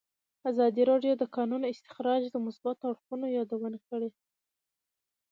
ازادي راډیو د د کانونو استخراج د مثبتو اړخونو یادونه کړې.